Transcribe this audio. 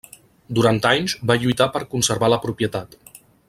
Durant anys, va lluitar per a conservar la propietat.